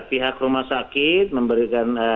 pihak rumah sakit memberikan